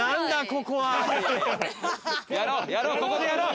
ここでやろう。